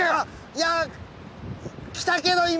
いや来たけど今！